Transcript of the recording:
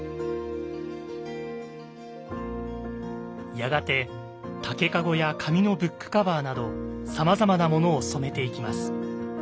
やがて竹かごや紙のブックカバーなどさまざまなものを染めていきます。